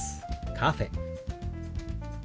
「カフェ」。